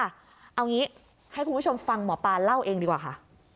เอางี้ให้คุณผู้ชมฟังหมอปลาเล่าเองดีกว่าค่ะ